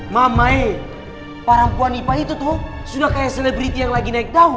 mamai perempuan ipa itu tuh sudah kayak selebriti yang lagi naik daun